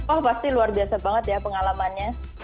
oh pasti luar biasa banget ya pengalamannya